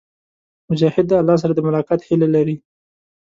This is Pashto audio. مجاهد د الله سره د ملاقات هيله لري.